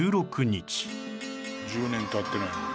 １０年経ってないのに。